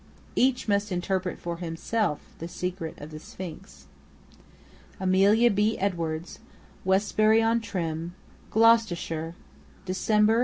Each must interpret for himself The Secret of The Sphinx. AMELIA B. EDWARDS. WESTBURY ON TRYM, GLOUCESTERSHIRE, Dec. 1877.